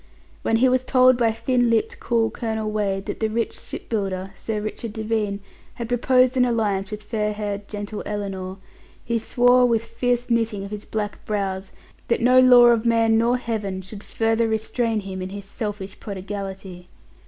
When he was told by thin lipped, cool Colonel Wade that the rich shipbuilder, Sir Richard Devine, had proposed an alliance with fair haired gentle Ellinor, he swore, with fierce knitting of his black brows, that no law of man nor Heaven should further restrain him in his selfish prodigality.